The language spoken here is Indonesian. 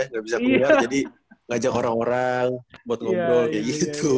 nggak bisa keluar jadi ngajak orang orang buat ngobrol kayak gitu